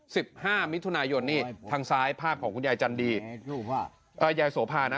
สิบห้ามิถุนายนนี่ทางซ้ายภาพของคุณยายจันดีอ่ายายโสภานะ